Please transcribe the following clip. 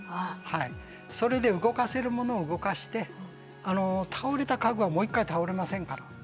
それで動かせるものを動かして倒れた家具はもう一回倒れませんから。